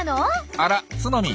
あらツノミン